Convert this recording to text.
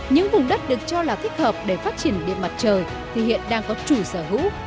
những vùng đất được cho là thích hợp để phát triển điện mặt trời thì hiện đang có chủ sở hữu